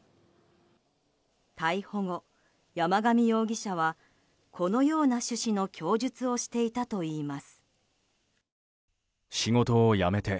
逮捕後、山上容疑者はこのような趣旨の供述をしていたといいます。